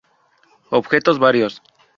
Objetos varios